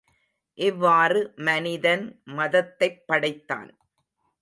இவ்வாறு மனிதன் மதத்தைப் படைத்தான்.